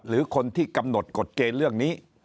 หรือคนที่กำหนดกฎเกณฑ์เรื่องนี้